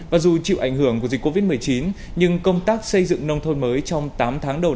và dù chịu ảnh hưởng của dịch covid một mươi chín nhưng công tác xây dựng nông thôn mới trong tám tháng đầu